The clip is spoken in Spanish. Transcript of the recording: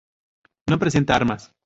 No presenta ramas.